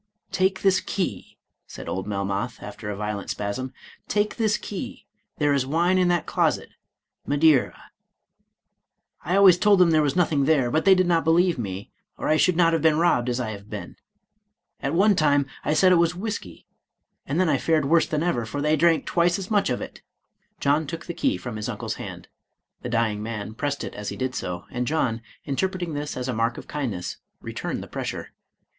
"Take this key," said old Melmoth, after a violent spasm ;" take this key, there is wine in that closet, — Madeira. I always told them there was nothing there, but they did not believe me, or I should not have been robbed as I have been. At one time I said it was whisky, and then I fared worse than ever, for they drank twice as much of it." John took the key from his uncle's hand ; the dying man pressed it as he did so, and John, interpreting this as a mark of kindness, returned the pressure.